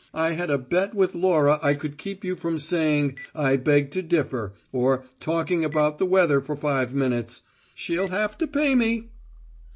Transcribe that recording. I had a bet with Laura I could keep you from saying `I beg to differ,' or talking about the weather for five minutes. She'll have to pay me!"